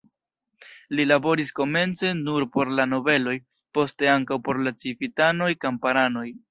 Li laboris komence nur por la nobeloj, poste ankaŭ por la civitanoj, kamparanoj.